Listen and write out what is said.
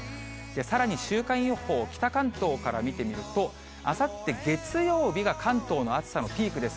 さらに週間予報、北関東から見てみると、あさって月曜日が関東の暑さのピークです。